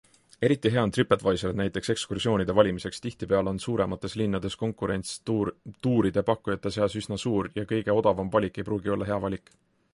Eriti hea on TripAdvisor näiteks ekskursioonide valimiseks - tihtipeale on suuremates linnades konkurents tuuride pakkujate seas üsna suur ja kõige odavam valik ei pruugi olla hea valik.